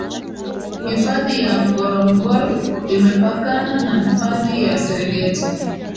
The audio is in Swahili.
hifadhi ya ngorongor imepakana na hifadhi ya serengeti